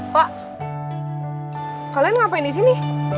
pak kalian ngapain disini